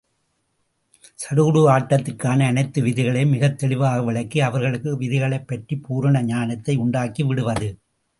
சடுகுடு ஆட்டத்திற்கான அனைத்து விதிகளையும் மிகத் தெளிவாக விளக்கி, அவர்களுக்கு விதிகளைப் பற்றிப் பூரண ஞானத்தை உண்டாக்கி விடுவது.